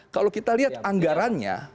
kalau kita lihat anggarannya